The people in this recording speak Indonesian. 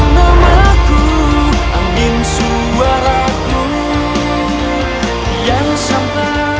tamat rewetmu anak muda